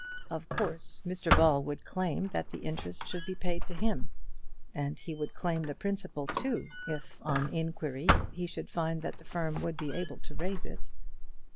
Of course, Mr Ball would claim that the interest should be paid to him; and he would claim the principal too, if, on inquiry, he should find that the firm would be able to raise it.